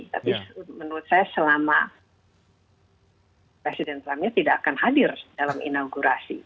tapi menurut saya selama presiden trump ini tidak akan hadir dalam inaugurasi